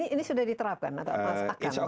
ini sudah diterapkan atau akan